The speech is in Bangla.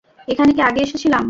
এখানে কি আগে এসেছিলাম?